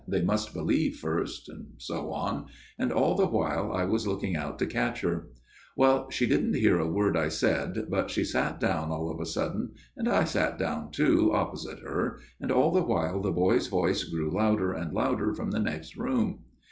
They must believe first, and so on and all the while I was looking out to catch her. " Well, she didn't hear a word I said, but she sat down all of a sudden, and I sat down too, opposite her, and all the while the boy's voice grew louder and louder from the next room.